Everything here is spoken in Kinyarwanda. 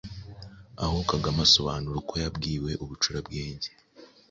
aho Kagame asobanura uko yabwiwe Ubucurabwenge,